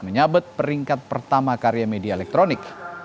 menyabet peringkat pertama karya media elektronik